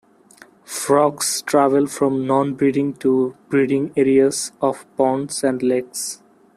Frogs travel from non-breeding to breeding areas of ponds and lakes.